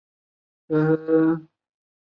韦洛斯内。